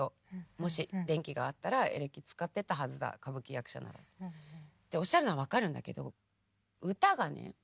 「もし電気があったらエレキ使ってたはずだ歌舞伎役者なら」。っておっしゃるのは分かるんだけど歌がね